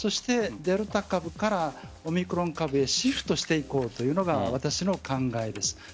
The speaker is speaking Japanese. デルタ株からオミクロン株へシフトしていこうというのが私の考えです。